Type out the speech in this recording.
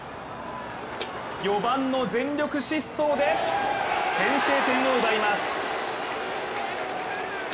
４番の全力疾走で先制点を奪います。